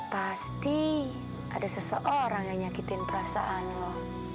pasti ada seseorang yang nyakitin perasaan lo